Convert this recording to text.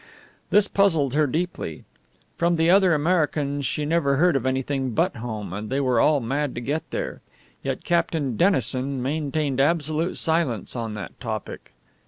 This puzzled her deeply. From the other Americans she never heard of anything but home, and they were all mad to get there. Yet Captain Dennison maintained absolute silence on that topic.